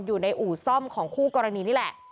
อยู่ในอู่ซ่อมของคู่กรณีนี่แหละ